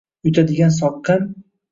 Yutadigan soqqam!